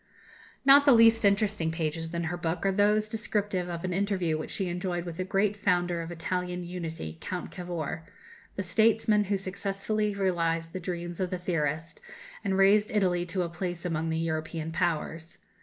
Not the least interesting pages in her book are those descriptive of an interview which she enjoyed with the great founder of Italian unity, Count Cavour the statesman who successfully realized the dreams of the theorist, and raised Italy to a place among the European Powers.